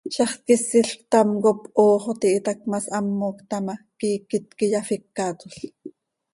Zaxt quisil ctam cop hoox oo tihitac ma, shamoc taa ma, quiiquet quij iyafícatol.